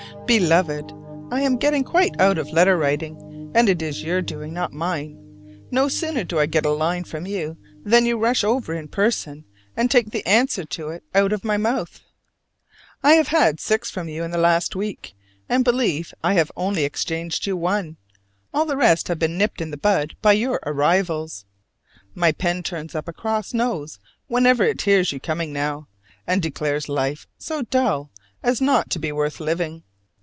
Beloved: I am getting quite out of letter writing, and it is your doing, not mine. No sooner do I get a line from you than you rush over in person and take the answer to it out of my mouth! I have had six from you in the last week, and believe I have only exchanged you one: all the rest have been nipped in the bud by your arrivals. My pen turns up a cross nose whenever it hears you coming now, and declares life so dull as not to be worth living.